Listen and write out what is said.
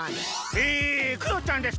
えクヨちゃんです。